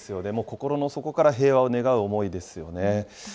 心の底から平和を願う思いですよね。